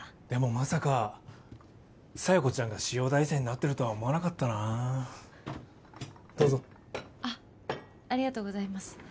まさか佐弥子ちゃんが潮大生になってるとは思わなかったなあどうぞあっありがとうございます